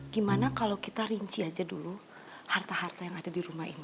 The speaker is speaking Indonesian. gimana kalau kita rinci aja dulu harta harta yang ada di rumah ini